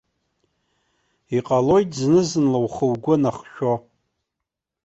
Иҟалоит зны-зынла ухы угәы анахшәо.